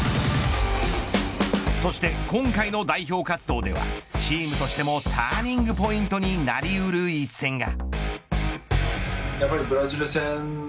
そして、今回の代表活動ではチームとしてもターニングポイントになり得る一戦が。